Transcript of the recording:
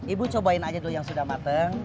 ibu cobain aja dulu yang sudah matang